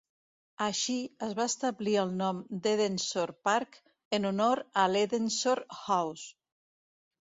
Així, es va establir el nom d'Edensor Park en honor a l'Edensor House.